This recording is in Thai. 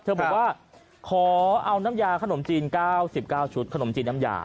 บอกว่าขอเอาน้ำยาขนมจีน๙๙ชุดขนมจีนน้ำยา